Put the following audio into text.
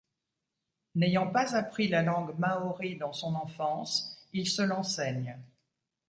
N'ayant pas appris la langue maori dans son enfance, il se l'enseigne.